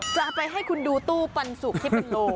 จะไปให้คุณดูตู้ปันสุกที่เป็นโล